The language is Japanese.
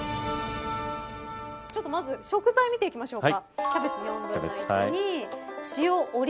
まず食材見ていきましょうか。